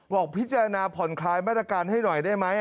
บอกพิจารณาผ่อนคลายมาตรการให้หน่อยได้ไหม